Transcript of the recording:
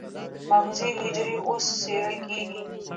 مغزي حجرې اوس څېړل کېږي.